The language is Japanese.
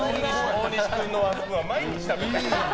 大西君のワンスプーンは毎日食べたい。